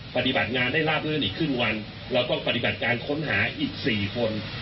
ปฏิบัติงานได้ลาบลื่นอีกครึ่งวันเราต้องปฏิบัติการค้นหาอีก๔คน